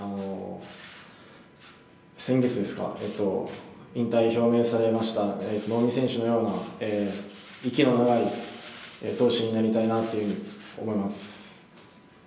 先月ですか、引退を表明されました能見選手のような息の長い投手になりたいなと思います。